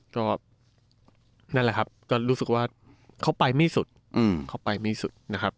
นั่นแหละครับก็รู้สึกว่าเขาไปไม่สุด